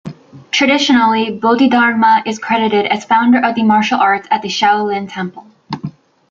Traditionally Bodhidharma is credited as founder of the martial arts at the Shaolin Temple.